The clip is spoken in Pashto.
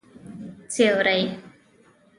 سیوری